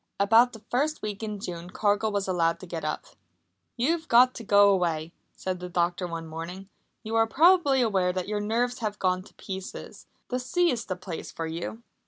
About the first week in June Cargill was allowed to get up. "You've got to go away," said the doctor one morning. "You are probably aware that your nerves have gone to pieces. The sea is the place for you!"